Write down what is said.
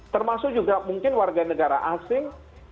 termasuk juga mungkin warga negara asing